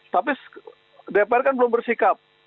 tapi dpr kan belum bersikap